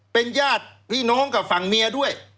เป็นญาติพี่น้องกับฝั่งเมียด้วย